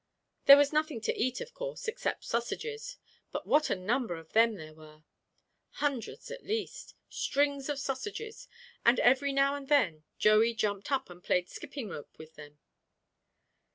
There was nothing to eat, of course, except sausages, but what a number of them there were! hundreds at least, strings of sausages, and every now and then Joey jumped up and played skipping rope with them.